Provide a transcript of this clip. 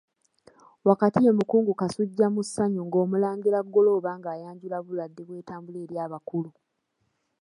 Wakati ye mukungu Kasujja mu ssanyu nga Omulangira Golooba ng'ayanjula Buladde bw'etambula eri abakulu.